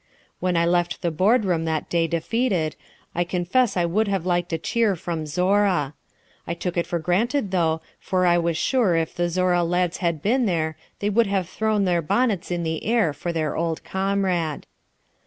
When I left the board room that day defeated, I confess I would have liked a cheer from Zorra. I took it for granted though, for I was sure if the Zorra lads had been there they would have thrown their bonnets in the air for their old comrade.